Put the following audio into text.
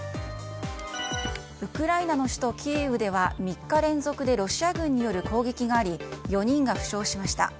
ウクライナの首都キーウでは３日連続でロシア軍による攻撃があり４人が負傷しました。